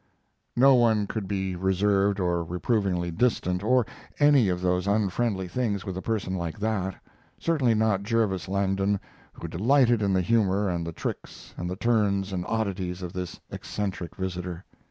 No one could be reserved or reprovingly distant, or any of those unfriendly things with a person like that; certainly not Jervis Langdon, who delighted in the humor and the tricks and turns and oddities of this eccentric visitor.